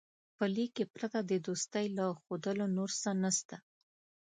په لیک کې پرته د دوستۍ له ښودلو نور څه نسته.